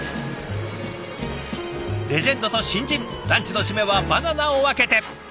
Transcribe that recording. レジェンドと新人ランチの締めはバナナを分けて。